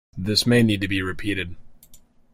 This may need to be repeated.